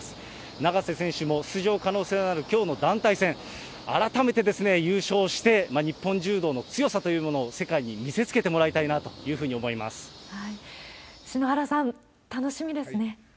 永瀬選手も出場可能性のあるきょうの団体戦、改めて優勝して、日本柔道の強さというものを世界に見せつけてもらいたいなという篠原さん、楽しみですね。